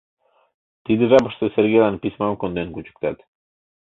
Тиде жапыште Сергейлан письмам конден кучыктат.